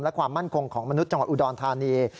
และความมั่นคงของมนุษย์จังหวัดอุดรธานี